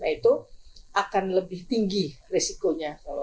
itu akan lebih tinggi risikonya